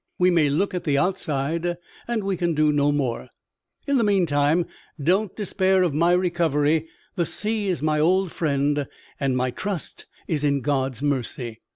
We may look at the outside, and we can do no more. In the meantime, don't despair of my recovery; the sea is my old friend, and my trust is in God's mercy."